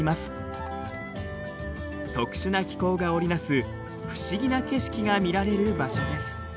特殊な気候が織り成す不思議な景色が見られる場所です。